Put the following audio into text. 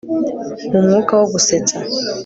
Mu mwuka wo gusetsa